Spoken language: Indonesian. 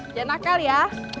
jangan nakal ya